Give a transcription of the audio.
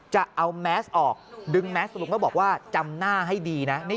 จะเอาแมสออกดึงแมสลุงแล้วบอกว่าจำหน้าให้ดีนะ